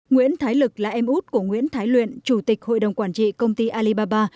nguyễn thái lực là em út của nguyễn thái luyện chủ tịch hội đồng quản trị công ty alibaba